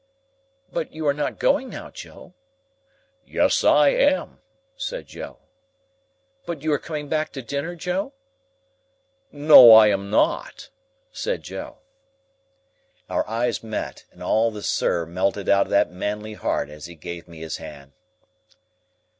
"But you are not going now, Joe?" "Yes I am," said Joe. "But you are coming back to dinner, Joe?" "No I am not," said Joe. Our eyes met, and all the "Sir" melted out of that manly heart as he gave me his hand.